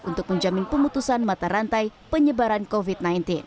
untuk menjamin pemutusan mata rantai penyebaran covid sembilan belas